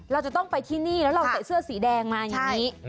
เราจะต้องไปที่นี่แล้วเราใส่เสื้อสีแดงมาอย่างนี้